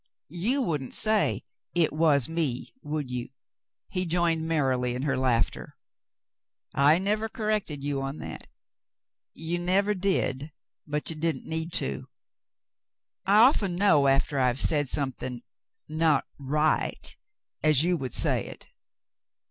"You wouldn't say 'it was me,' would you ?" He joined merrily in her laughter. "I never corrected you on that." "You never did, but you didn't need to. I often know, after I've said something — not — right — as you would say it."